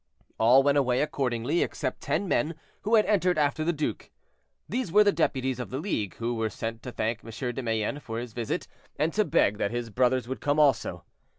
All went away accordingly, except ten men, who had entered after the duke. These were the deputies of the League, who were sent to thank M. de Mayenne for his visit, and to beg that his brothers would come also.